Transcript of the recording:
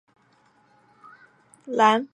连珠绒兰为兰科绒兰属下的一个种。